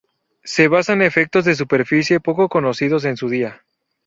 Se basa en efectos de superficie, poco conocidos en su día.